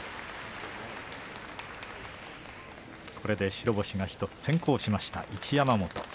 これで白星が１つ先行しました一山本。